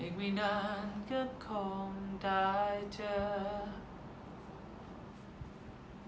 อีกไม่นานก็คงได้เจอ